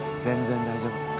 全然大丈夫。